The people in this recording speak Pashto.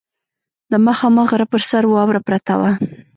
د مخامخ غره پر سر واوره پرته وه.